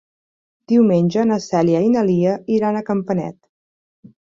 Diumenge na Cèlia i na Lia iran a Campanet.